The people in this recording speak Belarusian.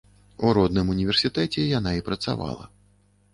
У родным універсітэце яна і працавала.